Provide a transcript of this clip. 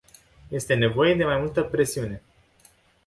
Este nevoie de mai multă presiune.